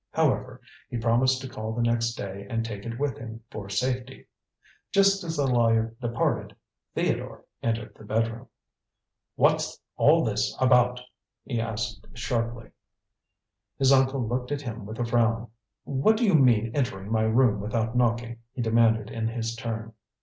However, he promised to call the next day and take it with him for safety. Just as the lawyer departed, Theodore entered the bedroom. "What's all this about?" he asked sharply. His uncle looked at him with a frown. "What do you mean entering my room without knocking?" he demanded in his turn.